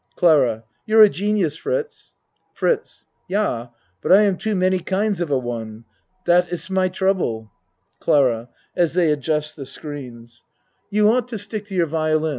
CLARA You're a genius, Fritz. FRITZ Yah but I am too many kinds of a one. Dat iss my trouble. CLARA (As they adjust the screens.) You 52 A MAN'S WORLD ought to stick to your violin.